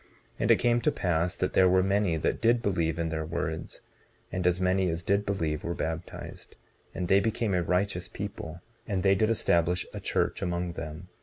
19:35 And it came to pass that there were many that did believe in their words; and as many as did believe were baptized; and they became a righteous people, and they did establish a church among them.